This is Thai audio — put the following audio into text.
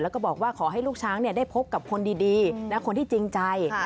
แล้วก็บอกว่าขอให้ลูกช้างได้พบกับคนดีและคนที่จริงใจ